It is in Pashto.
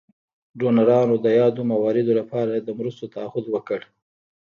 ډونرانو د یادو مواردو لپاره د مرستو تعهد وکړ.